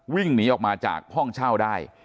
วิ่งหนีออกมาจากห้องเช่าได้